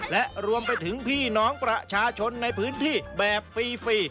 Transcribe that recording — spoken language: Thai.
และรวมไปถึงพี่น้องประชาชนในพื้นที่แบบฟรี